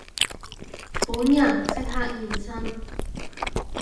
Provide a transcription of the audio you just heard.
本人即刻現身